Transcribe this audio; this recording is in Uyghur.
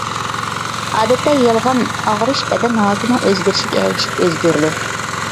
ئادەتتە يالغان ئاغرىش بەدەن ھالىتىنىڭ ئۆزگىرىشىگە ئەگىشىپ ئۆزگىرىدۇ.